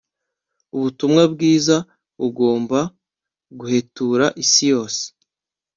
ubutumwa bwiza bugomba guhetura isi yose